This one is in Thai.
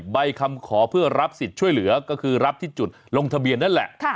ใบคำขอเพื่อรับสิทธิ์ช่วยเหลือก็คือรับที่จุดลงทะเบียนนั่นแหละ